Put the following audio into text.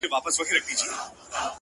نورو ته مي شا کړې ده تاته مخامخ یمه!!